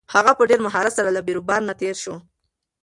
هغه په ډېر مهارت سره له بېروبار نه تېر شو.